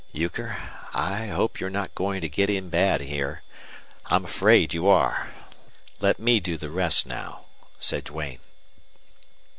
"Euchre, I hope you're not going to get in bad here. I'm afraid you are. Let me do the rest now," said Duane.